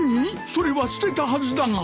それは捨てたはずだが。